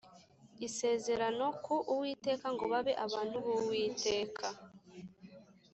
isezerano ku Uwiteka ngo babe abantu b Uwiteka